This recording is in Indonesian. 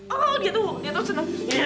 oh dia tuh dia tuh seneng